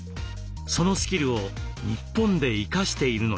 そのスキルを日本で生かしているのです。